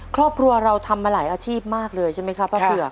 ครอบครัวเราทำมาหลายอาชีพมากเลยใช่ไหมครับป้าเผือก